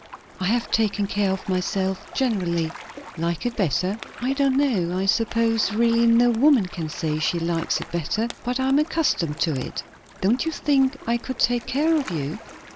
"I have taken care of myself, generally." "Like it better?" "I don't know. I suppose really no woman can say she likes it better. But I am accustomed to it." "Don't you think I could take care of you?"